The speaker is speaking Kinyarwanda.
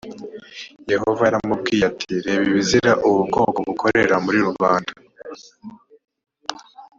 yehova yaramubwiye ati “ reba ibizira ubu bwoko bukorera murirubanda”